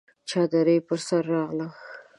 چادري پر سر راغله!